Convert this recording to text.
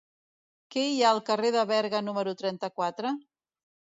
Què hi ha al carrer de Berga número trenta-quatre?